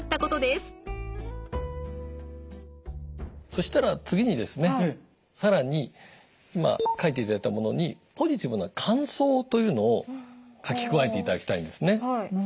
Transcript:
そしたら次にですね更に今書いていただいたものにポジティブな感想というのを書き加えていただきたいんですね。